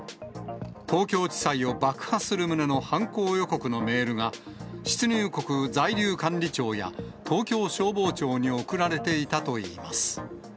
東京地裁を爆破する旨の犯行予告のメールが、出入国在留管理庁や東京消防庁に送られていたといいます。